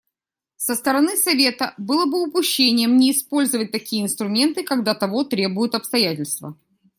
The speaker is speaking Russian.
Со стороны Совета было бы упущением не использовать такие инструменты, когда того требуют обстоятельства.